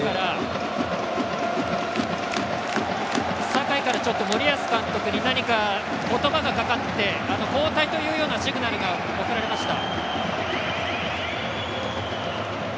酒井から森保監督に何か言葉がかかって交代というようなシグナルが送られました。